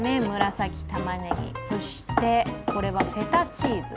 紫たまねぎ、そしてこれはフェタチーズ。